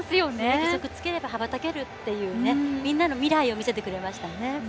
義足をつければ羽ばたけるというみんなの未来を見せてくれましたね。